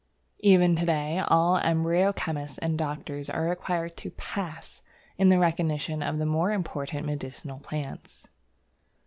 Even to day all embryo chemists and doctors are required to "pass" in the recognition of the more important medicinal plants.